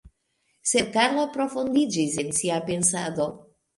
Sed Karlo profundiĝis en sia pensado.